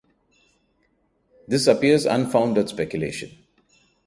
This appears unfounded speculation.